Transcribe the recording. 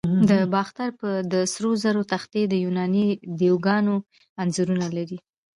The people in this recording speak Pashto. د باختر د سرو زرو تختې د یوناني دیوگانو انځورونه لري